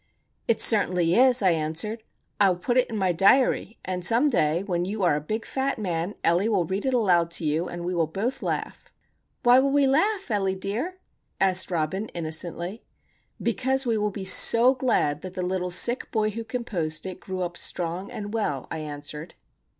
"It certainly is," I answered. "I will put it in my diary, and some day when you are a big fat man Ellie will read it aloud to you, and we will both laugh." "Why will we laugh, Ellie dear?" asked Robin, innocently. "Because we will be so glad that the little sick boy who composed it grew up strong and well," I answered.